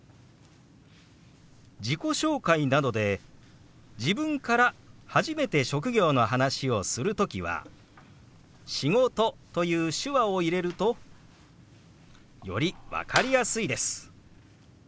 自己紹介などで自分から初めて職業の話をする時は「仕事」という手話を入れるとより分かりやすいです。